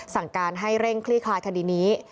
สั่งการให้เร่งคลี่คลายคดีนี้